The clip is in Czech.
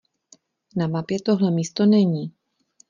Na mapě tohle místo není.